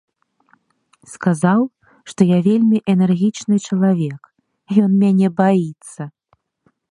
Сказаў, што я вельмі энергічны чалавек, ён мяне баіцца!